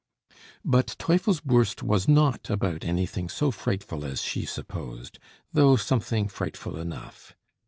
But Teufelsbürst was not about anything so frightful as she supposed, though something frightful enough.